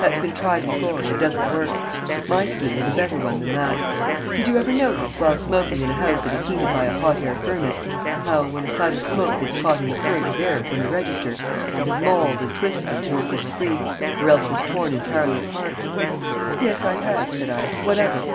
"That's been tried before, and it doesn't work. My scheme is a better one than that. Did you ever notice, while smoking in a house that is heated by a hot air furnace, how, when a cloud of smoke gets caught in the current of air from the register, it is mauled and twisted until it gets free, or else is torn entirely apart?" "Yes, I have," said I. "What of it?"